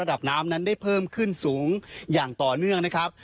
ระดับน้ำนั้นได้เพิ่มขึ้นสูงอย่างต่อเนื่องนะครับ